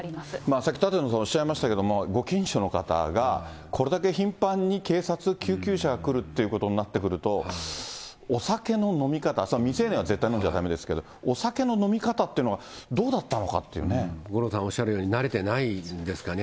さっき、舘野さんおっしゃいましたけれども、ご近所の方が、これだけ頻繁に警察、救急車が来るっていうことになってくると、お酒の飲み方、それは未成年は絶対飲んじゃだめですけど、お酒の飲み方っていう五郎さんおっしゃるように、慣れてないんですかね。